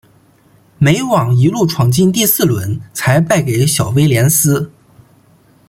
美网一路闯进第四轮才败给小威廉丝。